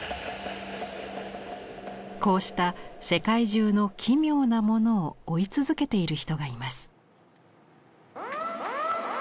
こうした世界中の奇妙なものを追い続けている人がいます。